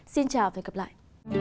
xin chào và hẹn gặp lại